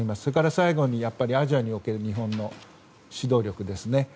それから最後にアジアにおける日本の指導力ですね。